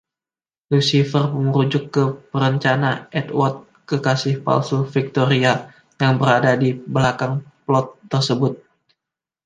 “Lucifer” merujuk ke perencana, Edward kekasih palsu Victoria, yang berada di belakang plot tersebut.